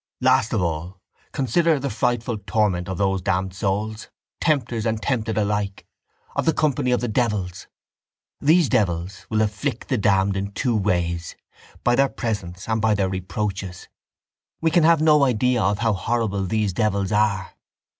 —Last of all consider the frightful torment to those damned souls, tempters and tempted alike, of the company of the devils. These devils will afflict the damned in two ways, by their presence and by their reproaches. We can have no idea of how horrible these devils are.